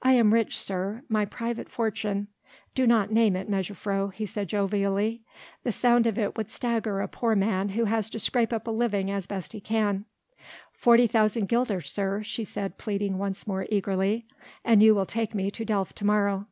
"I am rich, sir ... my private fortune...." "Do not name it, mejuffrouw," he said jovially, "the sound of it would stagger a poor man who has to scrape up a living as best he can." "Forty thousand guilders, sir," she said pleading once more eagerly, "an you will take me to Delft to morrow."